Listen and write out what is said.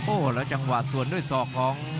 โอ้โหแล้วจังหวะสวนด้วยศอกของ